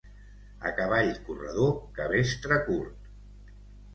A cavall corredor, cabestre curt.